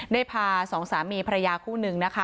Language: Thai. ได้พาสองสามีภรรยาคู่หนึ่งนะคะ